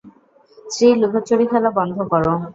শ্রী, লুকোচুরি খেলা বন্ধ করো।